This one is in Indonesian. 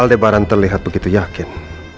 aldebaran terlihat begitu yakin